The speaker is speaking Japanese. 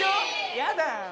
やだ！